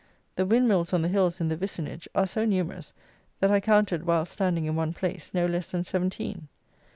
The windmills on the hills in the vicinage are so numerous that I counted, whilst standing in one place, no less than seventeen.